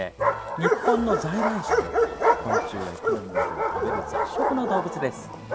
日本の在来種で昆虫や木の実などを食べる雑食の動物です。